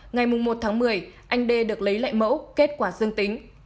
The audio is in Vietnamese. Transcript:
ngày mùng một tháng một mươi anh d được lấy lại mẫu kết quả dương tính